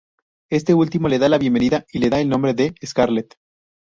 Este último le da la bienvenida y le da el nombre de "Scarlet".